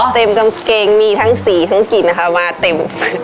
กางเกงมีทั้งสีทั้งกลิ่นนะคะมาเต็ม